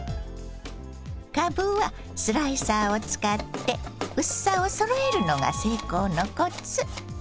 かぶはスライサーを使って薄さをそろえるのが成功のコツ。